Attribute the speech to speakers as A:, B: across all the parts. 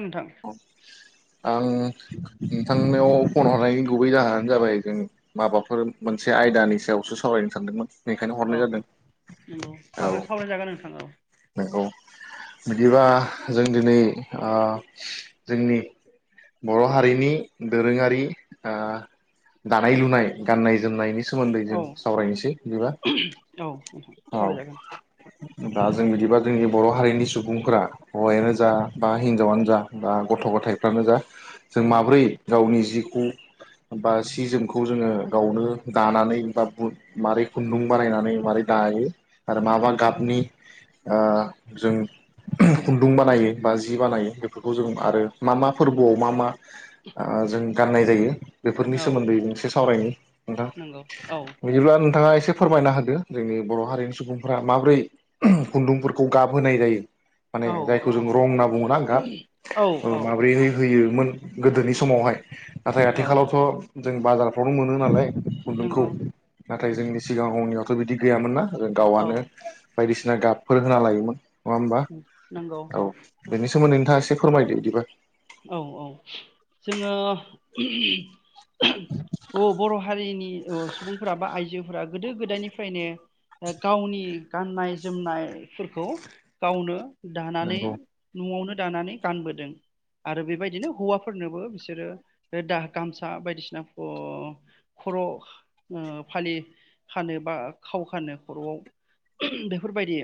A: नोंथां
B: औ आं नोंथांनाव फन हरनायनि गुबै जाहोनानो जाबाय जों माबाफोर मोनसे आयदानि सायाव [unintelligible] सावरायनो सानदोंमोन बेखायनो
A: औ
B: हरनाय जादों
A: नंगौ
B: औ
A: सावराय सावरायजागोन नोंथां औ
B: नोंगौ बिदिबा जों दिनै ओ जोंनि बर' हारिनि दोरोङारि ओ दानाय लुनाय गान्नाय जोमनायनि सोमोन्दै जों
A: औ
B: सावरायनोसै बिदिबा
A: औ नोंथां
B: औ
A: सावरायजागोन
B: दा जों बिदिबा जोंनि बर' हारिनि सुबुंफोरा हौवायानो जा बा हिनजावानो जा बा गथ' गथायफ्रानो जा जों माब्रै
A: औ
B: गावनि जिखौ बा सि जोमखौ जोङो गावनो दानानै बा मारै खुन्दुं बानायनानै मारै दायो आरो माबा गाबनि ओ जों खुन्दुं बानायो बा जि बानायो बेफोरखौ जों आरो मा मा फोरबोआव मा मा आ जों गाननाय जायो बेफोरनि
A: औ
B: सोमोन्दै मोनसे सावरायनि नोंथाङा
A: नंगौ औ
B: बिदिब्ला नोंथाङा एसे फोरमायना होदो जोंनि बर' हारिनि सुबुंफोरा माबोरै खुन्दुंफोरखौ गाब होनाय जायो माने
A: औ
B: जायखौ
A: औ
B: जों रं होनना बुङोना गाब
A: औ
B: ओं
A: औ
B: माबोरै होयो मोन गोदोनि समावहाय नाथाय
A: औ
B: आथिखालावथ' जों बाजारफ्रावनो मोनो नालाय खुन्दुंखौ
A: नंगौ
B: नाथाय जोंनि सिगाङावनियावथ' बिदि गैयामोन ना आरो
A: औ
B: गावआनो बायदिसिना गाबफोर होना लायोमोन नङा होमबा
A: नंगौ
B: औ बेनि सोमोन्दै नोंथाङा एसे फोरमायदो बिदिबा
A: औ औ जोङो। औ बर' हारिनि सुबुंफोरा बा आइजोफोरा गोदो गोदायनिफ्रायनो गावनि गाननाय जोमनायफोरखौ गावनो दानानै
B: नंगौ
A: न'आवनो दानानै गानबोदों आरो बेबायदिनो हौवाफोरनोबो बिसोरो दा गामसा बायदिसिना अ खर' ओ फालि खानो बा खाव खानो खर'आव बेफोरबायदि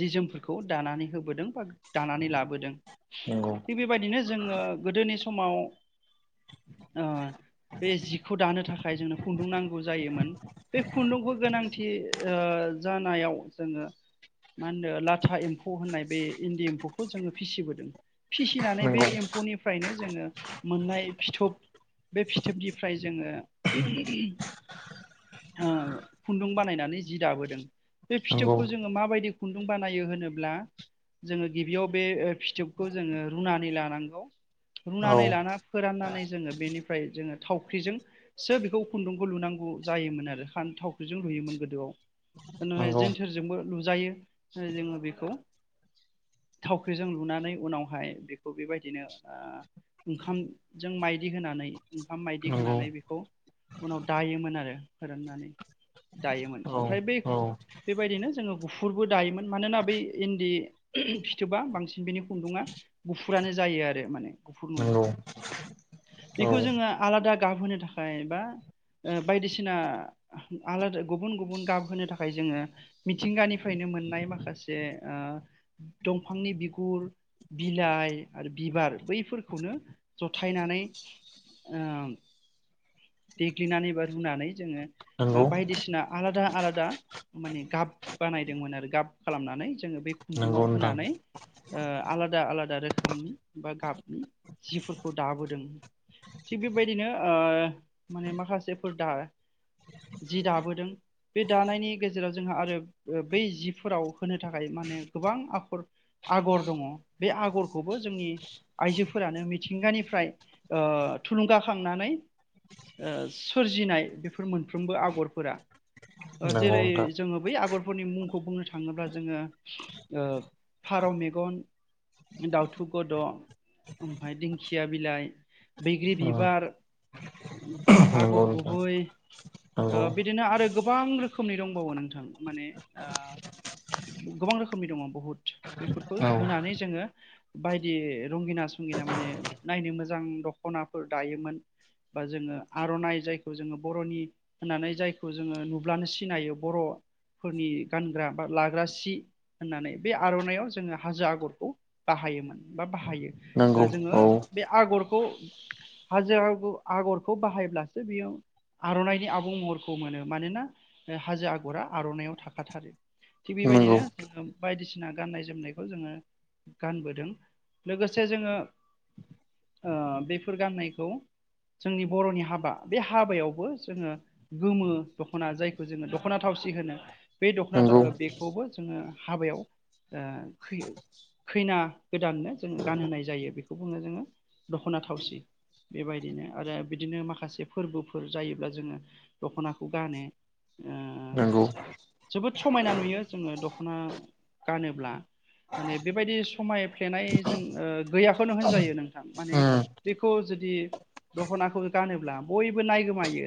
A: जि जोमफोरखौ दानानै होबोदों बा दानानै लाबोदों
B: नंगौ
A: थिग बेबायदिनो जोङो गोदोनि समाव ओ बे जिखौ दानो थाखाय जोंनो खुन्दुं नांगौ जायोमोन बे खुन्दुंखौ गोनांथि। जानायाव जोङो मा होनो लाथा एम्फौ होननाय बे इन्दि एम्फौखौ। खौ जोङो फिसिबोदों फिसिनानै बे
B: नंगौ
A: एम्फौनिफ्रायनो जोङो मोननाय फिथोब। बे फिथोबनिफ्राय जोङो। खुन्दुं बानायनानै जि दाबोदों। बे
B: नंगौ
A: फिथोबखौ जोङो माबायदि खुन्दुं बानायो होनोब्ला जोङो गिबियाव बे फिथोबखौ। जोङो रुनानै लानांगौ
B: औ
A: रुनानै लाना फोराननानै जोङो बेनिफ्राय जोङो। थावख्रिजोंसो बेखौ खुन्दुंखौ लुनांगौ जायोमोन आरो थावख्रिजों लुयोमोन गोदोआव।
B: नंगौ
A: जेेनथोरजोंबो लुजायो जोङो बेखौ थावख्रिजों लुनानै उनाव बेहाय बेखौ बेबायदिनो ओंखामजों माइदि होनानै। ओंखाम बायदि
B: नंगौ
A: होनानै बेखौ उनाव दायोमोन आरो फोराननानै। दायोमोन
B: औ
A: ओमफ्राय ब
B: औ
A: बेबायदिनो जोङो गुफुरबो। दायोमोन मानोना बै इन्दि फिथोबा बांसिन बिनि खुन्दुङा गुफुरानो जायो आरो माने गुफुर नुयै बेखौ जोङो आलादा। गाबहोनो थाखाय बा बायदिसिना आलादा गुबुन गुबुन गाब होनो थाखाय जोङो मिथिंगानिफ्रायनो। मोननाय माखासे दंफांनि बिगुर। बिलाइ आरो बिबार बैफोरखौनो जथायनानै। आ देग्लिनानै एबा रुनानै जोङो
B: नंगौ
A: बायदिसिना आलादा आलादा माने गाब बानायदोंमोन आरो गाब खालामनानै। जोङो बे
B: नंगौ
A: खुन्दुंाव
B: नोंथां
A: होनानै आलादा आलादाोमोन। ओंखामनि बा गाबनि जिफोरखौ दाबोदों। थिग बेबायदिनो माने माखासेफोर दा जि दाबोदों बे दानायनि गेजेराव जोंहा आरो बै जिफोराव होनो थाखाय माने गोबां आगर आगर दङ बे आगरखौबो जोंनि आइजोफोरानो मिथिंगानिफ्राय थुलुंगाखांनानै सोरजिनाय बेफोर मोनफ्रोमबो आगरफोरा
B: नंगौ
A: जेरै
B: नोंथां
A: जोङो बै आगर फोरनि मुंखौ बुंनो थाङोब्ला जोङो फारौ मेगन दाउथु गद दं ओमफ्राय दिंखिया बिलाइ बैग्रि बिबार ओमफ्राय
B: नंगौ
A: आगर
B: नोंथां
A: गुबै
B: नंगौ
A: बिदिनो आरो। गोबां रोखोमनि दंबावो नोंथां माने गोबां रोखोमनि दङ बुहुत बेफोरखौ
B: औ
A: होनानै जोङो बायदि रंगिनास संगिना माने नायनो मोजां दख'नाफोर दायोमोन। बा जोङो आर'नाइ जायखौ जोङो बर'नि होननानै जायखौ जोङो नुब्लानो सिनायो बर'। फोरनि गानग्रा बा लाग्रा सि होननानै बे आर'नाइाव जोङो हाजो आगरखौ बाहाय। बाहायोमोन बा बाहायो।
B: नंगौ
A: जोङो
B: औ।
A: बे आगरखौ हाजो आ आगरखौ बाहायब्लासो बेयो। आर'नाइनि आबुं महरखौ मोनो मानोना हाजो आगरा आर'नाययाव थाखाथारो। थिग
B: नंगौ
A: बेबायदिनो जोङो। बायदिसिना गाननाय जोमनायखौ जोङो गानबोदों लोगोसे जोङो।
B: [inaudible]
A: बेफोर गाननायखौ। जोंनि बर'नि हाबा बे हाबायावबो जोङो गोमो दख'ना जायखौ जोङो दख'ना थावसि होनो बे दख'ना
B: नंगौ
A: बेखौबो जोङो हाबायाव खायो खैना गोदाननो जोङो गानहोनाय जायो बेखौ बुङो जोङो दख'ना थावसि बेबायदिनो आरो बिदिनो माखासे फोरबोफोर जायोब्ला जोङो दख'नाखौ गानो ओ
B: नंगौ।
A: जोबोद समायना नुयो जोङो दख'ना गानोब्ला। माने बेबायदि समायफ्लेनाय जों गैयाखौनो होनजायो नोंथां माने बेखौ जों दिे [unintelligible] दख'नाखौ गानोब्ला बयबो नाय गोमायो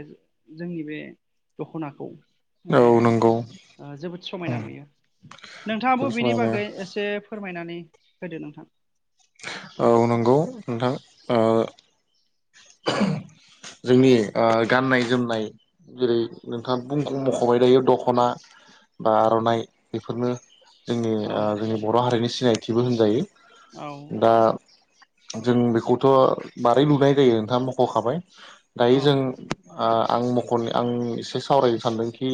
A: जोंनि बे दख'नाखौ
B: औ नंगौ
A: जोबोद समायना नुयो नोंथाङाबो बिनि
B: समानो
A: बागै एसे फोरमायनानै होदो नोंथां।
B: औ नंगौ नोंथां ओ जोंनि गाननाय जोमनाय जेरै नोंथाङा बुंख मख'बाय दायो दख'ना बा आर'नाइ बेफोरनो जोंनि
A: औ
B: जोंनि बर' हारिनि सिनायथिबो होनजायो
A: औ
B: दा जों बेखौथ' बारै लुनाय जायो नोंथाङा मख'खाबाय दायो
A: औ
B: जों आं मख'नो आं एसे सावरायनो सानदोंखि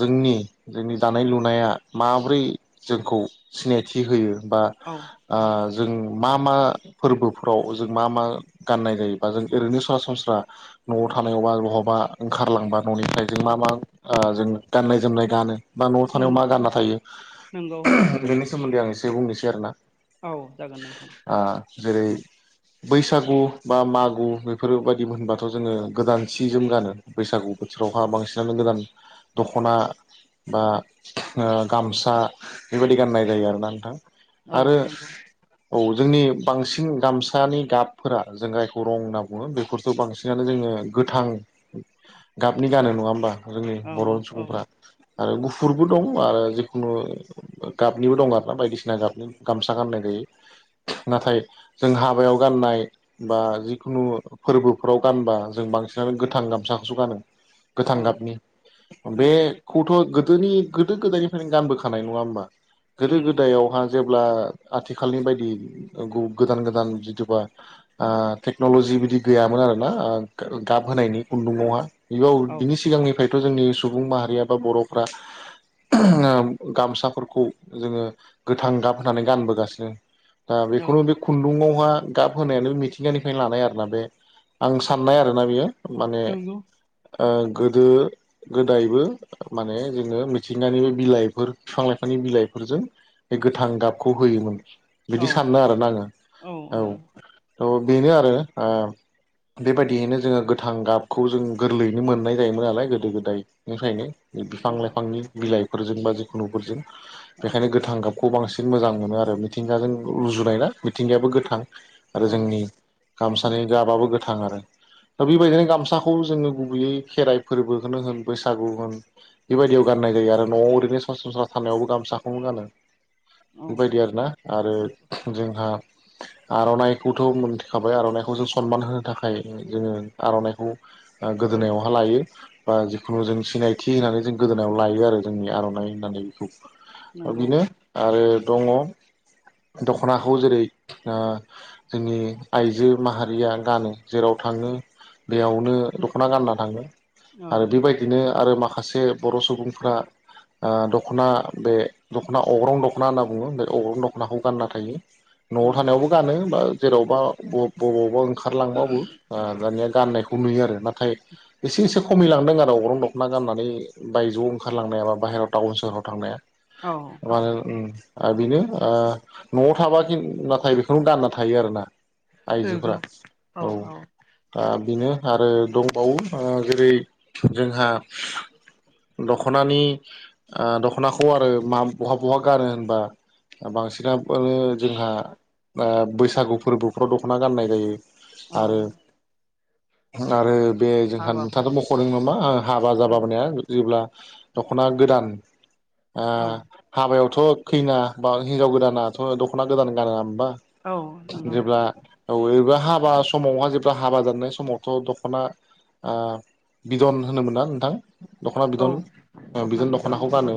B: जोंनि जोंनि दानाय लुनाया माब्रै जोंखौ सिनायथि होयो। बा
A: औ औ
B: जों मा मा फोरबो फाव जों मा मा गाननाय जायोबा जों ओरैनो सरासनस्रा न'आव थानायबा बहाबा ओंखारलांबा न'निफ्राय जों मा मा जों गाननाय जोमनाय गानो। बा न'आव थानायाव
A: नंगौ
B: मा गानना थायो
A: नंगौ
B: बेनि सोमोन्दै आं एसे बुंनोसै आरो ना।
A: औ जागोन नोंथां।
B: जेरै बैसागु बा मागु बेफोरबायदि होनबाथ' जोङो गोदान सि जोम गानो बैसागु बोथोरावहा बांसिनानो गोदान दख'ना बा गामसा बेबायदि गाननाय जायो आरोना नोंथां।
A: औ
B: आरो
A: नंगौ।
B: औ जोंनि बांसिन गामसानि गाबफोरा जों जायखौ रं होनना बुङो बेफोर थ' बांसिनानो जोङो गोथां गाबनि गानो नङा होमबा? जोंनि
A: औ
B: बर'
A: औ
B: सुबुं आरो गुफुरबो दं आरो जिखुनु गाबनिबो दं आरो ना बायदिसिना गाबनि गामसा गाननाय नाथाय जों हाबायाव गाननाय बा जिखुनु फोरबोफ्राव गानोबा जों बांसिनानो गोथां गामसाखौसो गानो। गोथां
A: औ
B: गाबनि
A: नंगौ
B: बेखौथ' गोदोनि गोदो गोदायनिफ्रायनो गानबोखानाय नङा होमबा गोदो
A: नंगौ
B: गोदायावहाय जेब्ला आथिखालनि बायदि गोदान गोदान जिथबा टेकन'लजि बिदि गैयामोन आर ना गाब होनायनि खुन्दुङावहा बेयाव
A: औ
B: बिनि सिगांनिफ्राय खथ' जोंनि सुबुं माहारिया बा बर'फ्रा गामसाफोरखौ जोङो गोथां गाब होनानै गानबोगासिनो दा
A: औ
B: बेखौनो बे खुन्दुङावहा गाब होनायानो मिथिंगानिफ्राय लानाय आरोोना बे आं साननाय आरोोना बियो माने
A: नंगौ
B: गोदो गोदायबो माने जोङो मिथिंगानि बिलाइफोर बिफां लाइफांनि बिलाइफोरजों बे गोथां दाबखौ होयोमोन।
A: औ
B: बिदि साननो आरोना
A: औ औ
B: आङो औ त' बेनो आरो बेबायदियैनो जोङो गोथां गाबखौ जों गोरलैयैनो मोननाय जायोमोन नालाय गोदो गोदायनिफ्रायनो बिफां
A: नंगौ
B: लाइफांनि बिलाइफोरजों बा जिखुनुफोरजों
A: औ
B: बेखायनो गोथां गाब खौखौ बांसिन मोजां मोनो आरो मिथिंगाजों रुजुनाय ना मिथिंगायाबो गोथां आरो
A: औ
B: जोंनि गामसानि जाबाबो गोथां आरो दा बेबायदिनो गामसाखौ जोङो गुबैयै खेराइ फोरबोखौनो होन बैसागु होन बेबायदियाव गाननाय जायो आरो न'आव ओरैनो सरासनस्रा थानायावबो गामसाखौनो गानो
A: औ
B: बेबायदि आरोना आरो जोंहा आर'नाइखौथ' मोनथिखाबाय आर'नाइखौ जों सनमान होनो थाखाय जोङो आर'नाइखौ।
A: औ
B: गोदोनायावहा लायो बा जिखुनु जों सिनायथि होननानै जों गोदोनायाव लायो आरो जोंनि आर'नाइ होननानै बेखौ।
A: नंगौ
B: बिनो आरो। दङ दख'नाखौ जेरै जोंनि आइजो माहारि बारिया गानो जेराव थाङो दैयावनो दख'ना गानना थाङो।
A: औ
B: आरो बेबायदिनो आरो माखासे बर' सुबुंफोरा दख'ना बे दख'ना अग्रं दख'ना होनना बुङो बे अग्रं दख'नाखौ गानना थायो। न'आव
A: औ
B: थानायावबो गानो बा जेरावबा बबावबा ओंखारलांबाबो दानिया। गाननायखौ नुयो आरो नाथाय। एसे एसे खमायलांदों आरो अगरं दख'ना गाननानै बायजोआव ओंखारलांनायााबा बाहेरायाव टाउन सोहराव थांनाया।
A: औ
B: माल आरो बेनो न'आव थाबाि नाथाय बेखौनो दानना थायो आरो ना?
A: बेग
B: औ दा बेनो आरो दंबावो जेरै जोंहा दख'नानि दख'नाखौ आरो मा बहा बहा गानो होनबा। बांसिनानो जोंहा बैसागु फोरबोफ्राव दख'ना गाननाय जायो।
A: औ।
B: आरो आरो बे जोंहा
A: हाबाफोर
B: नोंथाङाथ' मख'दों नामा हाबा
A: औ
B: जाबााबाया जेब्ला दख'ना गोदान।
A: औ
B: हाबायावथ' खैना बा हिनजाव गोदानाथ' दख'ना गोदान गानो न होनबा
A: औ नंगौ
B: जेब्ला अबेबा हा समावहा जेब्ला हाबा जानाय समावथ' दख'ना बिदन होनोमोना नोंथां। दखना
A: औ
B: बिदन
A: दख'ना
B: बिजों
A: बिदन
B: दख'नाखौ
A: एबा
B: गानो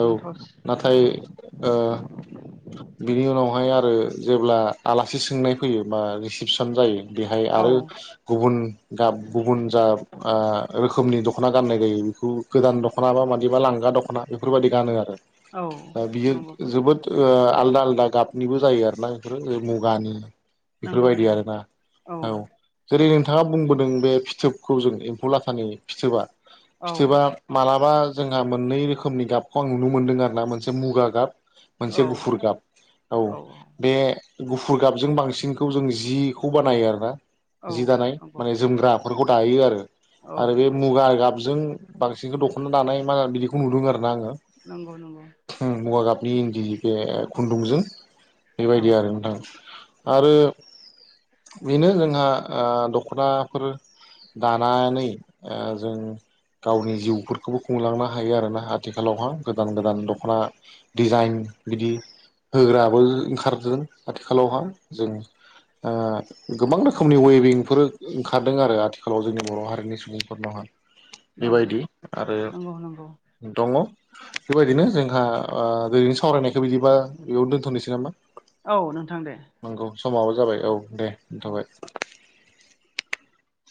B: औ
A: थावसि
B: नाथाय बिनि उनावहाय आरो जेब्ला आलासि सोंनाय फैयो बा रिसिपसन जायो। बेहाय
A: औ
B: आरो गुबुन गाब गुबुन जा रोखोमनि दख'ना गाननाय जायो बेखौ गोदान दख'ना बा मादिबा लांगा दख'ना बेफोरबायाददि गानो आरो।
A: औ
B: ओ बियो
A: नंगौ
B: जोबोद ओ आलदा आलदा गाबनिबो जायो आरोना बेफोरो मुगानि
A: नंगौ
B: बेफोरबायदि
A: नंगौ
B: औ आरोना
A: औ
B: जेरै नोंथाङा बुंबोदों बे फिथोबखौ जों एमफौ लाथानि फिथोबा।
A: औ
B: फिथोबा मालाबा बा जोंहा मोननै रोखोमनि गाबखौ आं नुनो मोनदों आरोना मोनसे मुगा गाब मोनसे
A: औ
B: गुफुर गाब औ बे गुफुर गाबजों बांसिनखौ जों जि बेखौ बानायो आरो ना
A: औ
B: जि दानाय
A: नंगौ
B: माने जोमग्राफोरखौ दायो आरो।
A: औ
B: आरो बे मुगा गाबजों बांसिनखौ दख'ना दानाय मा बिदिखौ नुदों आरो ना आङो।
A: नंगौ नंगौ।
B: बि इनदि बे खुनदिजों
A: औ
B: बेबायदि आरो नोंथां। आरो बेनो जोंहा ओ दख'नाफोर दानानै ओ जों। गावनि जिउफोरखौबो खुंलांनो हायो आरोना आथिखालावहा गोदान गोदान दख'ना डिजाइन। बिदि होग्राबो ओंखारदों आथिखालावहाय जों ओ गोबां रोखोमनि वेबिंफोर ओंखारदों आरो आथिखालाव जोंनि बर' हारिनि सुबुंफोरनावहााय
A: औ
B: बेबायदि आरो
A: नंगौ नंगौ
B: दङ। बेबायदिनो जोंहा ओरैनो सावरायनायखौ बिदिबा बेयावनो दोनथ'नोसै नामा?
A: औ नोंथां दे।
B: नंगौ समाबो जाबाय औ दे
A: औ
B: दोनथ'बाय।